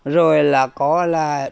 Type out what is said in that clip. rồi là có là